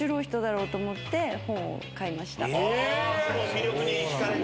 魅力に引かれて。